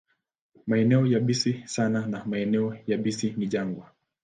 Maeneo yabisi sana na maeneo yabisi ni jangwa.